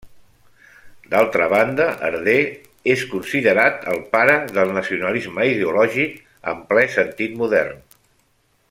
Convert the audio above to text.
D'altra banda, Herder és considerat el pare del nacionalisme ideològic en ple sentit modern.